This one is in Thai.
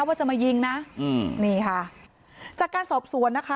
ว่าจะมายิงนะอืมนี่ค่ะจากการสอบสวนนะคะ